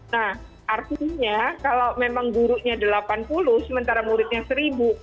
nah artinya kalau memang gurunya delapan puluh sementara muridnya seribu